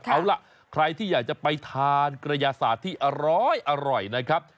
เอาล่ะใครที่อยากจะไปทานกระยาศาสตร์ที่อร้อยนะครับ